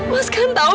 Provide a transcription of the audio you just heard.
mas kan tahu